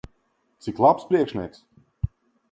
Cik labs priekšnieks!